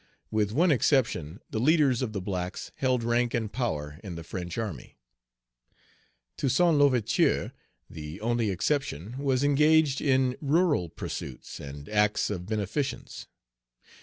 With one exception, the leaders of the blacks held rank and power in the French army. Toussaint L'Ouverture, the only exception, was engaged in rural pursuits and acts of beneficence.